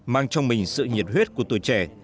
mang trong mình sự nhiệt huyết của tuổi trẻ